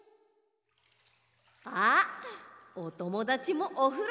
あっおともだちもおふろだ！